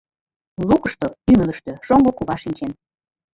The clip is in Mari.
Лукышто, ӱмылыштӧ шоҥго кува шинчен.